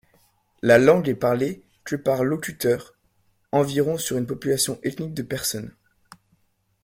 La langue est parlée que par locuteurs environ sur une population ethnique de personnes.